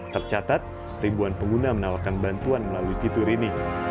tercatat ribuan pengguna menawarkan bantuan melalui fitur ini